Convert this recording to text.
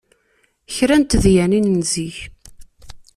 Kra n tedyanin n zik